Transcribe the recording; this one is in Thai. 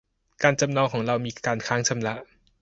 การจำนองของเรามีการค้างชำระ